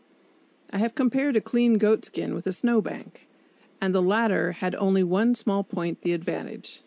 I have compared a clean goatskin with a snowbank, and the latter had only one small point the advantage.